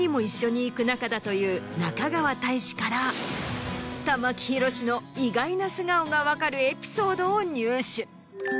だという中川大志から玉木宏の意外な素顔が分かるエピソードを入手。